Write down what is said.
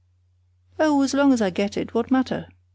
"Oh, as long as I get it, what matter?